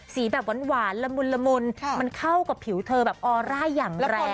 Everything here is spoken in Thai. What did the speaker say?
สีแบบหวานละมุนละมุนมันเข้ากับผิวเธอแบบออร่าอย่างแรง